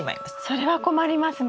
それは困りますね。